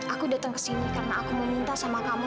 aku datang kesini karena aku meminta sama kamu